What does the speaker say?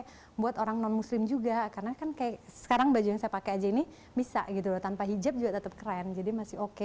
karena kan sekarang baju yang saya pakai ini bisa gitu loh tanpa hijab juga tetap keren jadi masih oke